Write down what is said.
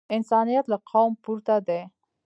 انسانیت له قوم پورته دی.